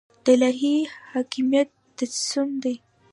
د الهي حاکمیت تجسم دی.